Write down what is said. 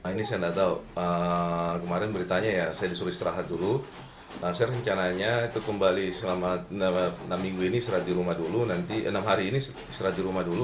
ini saya tidak tahu kemarin beritanya ya saya disuruh istirahat dulu saya rencananya itu kembali selama enam hari ini istirahat di rumah dulu